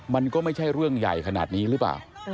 มันก็ไม่ใช่เรื่องใหญ่ขนาดนี้หรือเปล่า